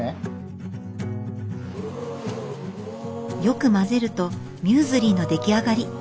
よく混ぜるとミューズリーの出来上がり。